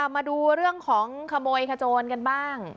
มาดูเรื่องของขโมยขโจรกันบ้าง